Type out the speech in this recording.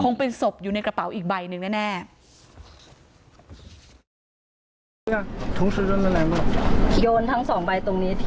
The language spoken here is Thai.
คงเป็นศพอยู่ในกระเป๋าอีกใบหนึ่งแน่